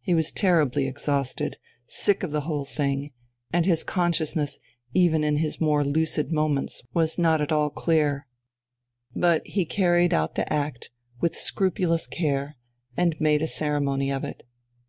He was terribly exhausted, "sick of the whole thing," and his consciousness even in his more lucid moments was not at all clear; but he carried out the act with scrupulous care and made a ceremony of it.